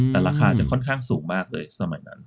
แต่ราคาจะค่อนข้างสูงมากเลยสมัยนั้น